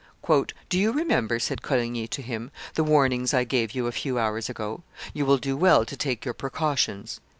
"Do you remember," said Coligny to him, "the warnings I gave you a few hours ago? You will do well to take your precautions."